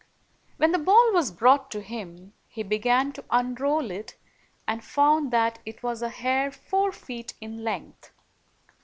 When the ball was brought to him, he began to unroll it, and found that it was a hair four feet in length.